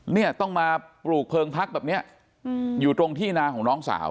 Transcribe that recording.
เนี่ยต้องมาปลูกเพลิงพักแบบนี้อยู่ตรงที่นาของน้องสาว